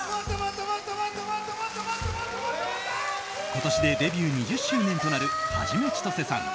今年でデビュー２０周年となる元ちとせさん